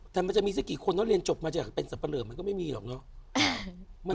แต่มันจะมีสักกี่คนต้องเรียนจบมาจากเป็นสับปะเหลอมันก็ไม่มีหรอกเนอะ